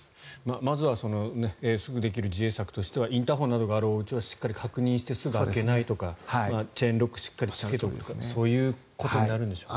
まずはすぐにできる自衛策としてはインターホンなどがあるおうちはしっかり確認してすぐ開けないとかチェーンロックをしっかりつけておくとかそういうことになるんでしょうかね。